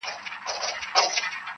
يار له جهان سره سیالي کومه ښه کومه .